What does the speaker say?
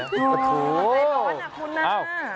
โอ้โฮใครบอกว่าน่าคุณน่า